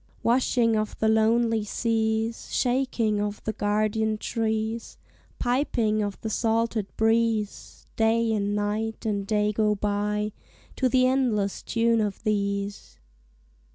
Washing of the lonely seas, Shaking of the guardian trees, Piping of the salted breeze; Day and Night and Day go by To the endless tune of these.